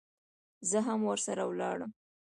زه هم ورسره ولاړم.